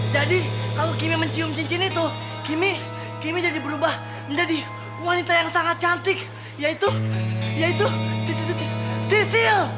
jadi kalau kimi mencium cincin itu kimi jadi berubah menjadi wanita yang sangat cantik yaitu yaitu sisil